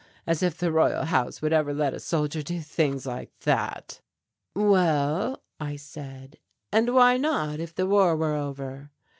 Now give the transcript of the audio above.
As if the Royal House would ever let a soldier do things like that." "Well," I said, "and why not, if the war were over?"